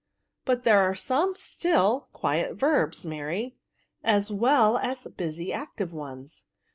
*' But there are some still, quiet verbs, Mary, as well as busy active ones.